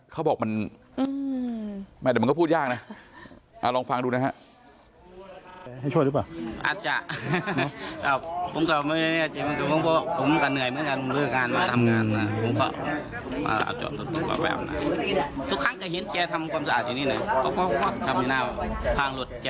เขาบอกมันแม่แต่มันก็พูดยากนะลองฟังดูนะฮะ